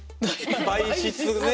媒質ね。